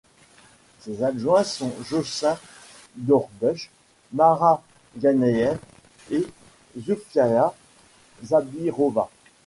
Ses adjoints sont Jochen Dornbuusch, Marat Ganeïev et Zulfiya Zabirova.